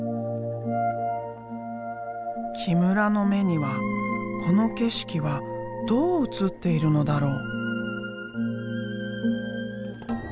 木村の目にはこの景色はどう映っているのだろう？